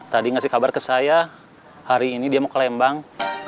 tadi ngasih kabar ke saya hari ini dia mau ke lembang